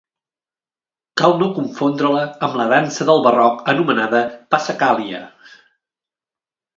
Cal no confondre-la amb la dansa del barroc anomenada passacaglia.